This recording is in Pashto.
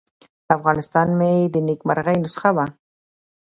افغانستان مې د نیکمرغۍ نسخه وه.